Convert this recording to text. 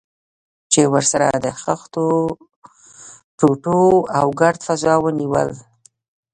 چې ورسره د خښتو ټوټو او ګرد فضا ونیول.